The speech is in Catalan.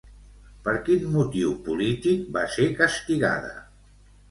Per quin motiu polític va ser castigada?